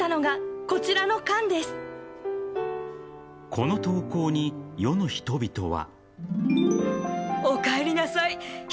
この投稿に、世の人々は。